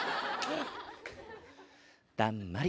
だんまり。